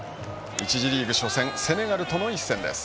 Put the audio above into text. １次リーグ初戦セネガルとの一戦です。